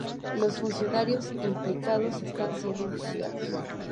Los funcionarios implicados están siendo investigados.